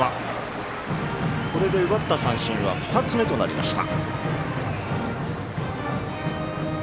これで奪った三振は２つ目となりました。